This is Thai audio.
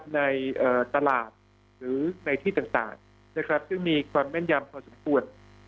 ในตลาดหรือในที่ต่างซึ่งมีความแม่นยำพอสมควร